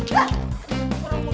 maksudnya emaknya udah berangkat